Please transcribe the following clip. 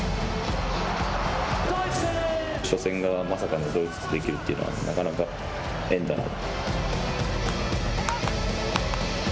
初戦がまさかのドイツとできるっていうのは、なかなか縁だな。